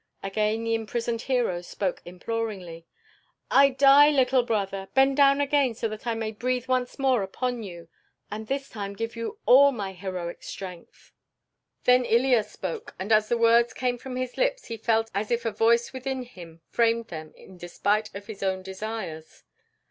Again the imprisoned hero spoke imploringly. "I die, little brother. Bend down again so that I may breathe once more upon you, and this time give you all my heroic strength." Then Ilya spoke, and as the words came from his lips he felt as if a voice within him framed them in despite of his own desires.